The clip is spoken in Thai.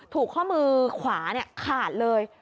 ข้อมือขวาขาดเลย